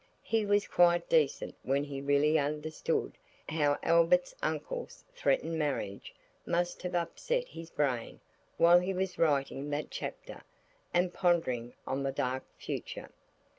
He was quite decent when he really understood how Albert's uncle's threatened marriage must have upset his brain while he was writing that chapter, and pondering on the dark future.